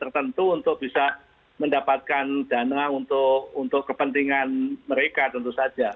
tertentu untuk bisa mendapatkan dana untuk kepentingan mereka tentu saja